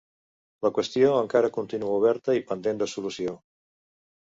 La qüestió encara continua oberta i pendent de solució.